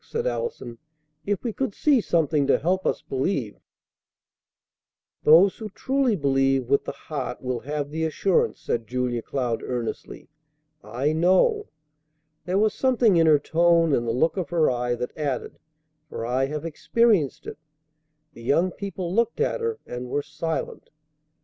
said Allison. "If we could see something to help us believe " "Those who truly believe with the heart will have the assurance," said Julia Cloud earnestly. "I know." There was something in her tone and the look of her eye that added, "For I have experienced it." The young people looked at her, and were silent.